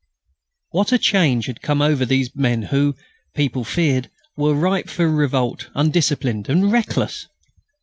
_" What a change had come over these men who, people feared, were ripe for revolt, undisciplined, and reckless!